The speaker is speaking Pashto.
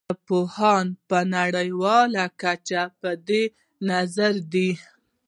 ژبپوهان په نړیواله کچه په دې نظر دي